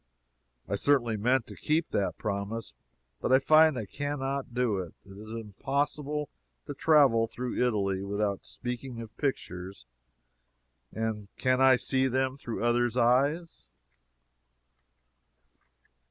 I certainly meant to keep that promise, but I find I can not do it. It is impossible to travel through Italy without speaking of pictures, and can I see them through others' eyes?